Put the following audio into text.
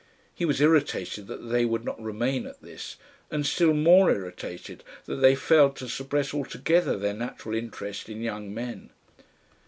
He was irritated that they would not remain at this, and still more irritated that they failed to suppress altogether their natural interest in young men.